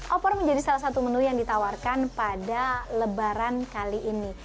opor menjadi salah satu menu yang ditawarkan pada lebaran kali ini